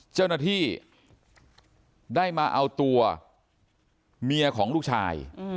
เจ้าหน้าที่ได้มาเอาตัวเมียของลูกชาย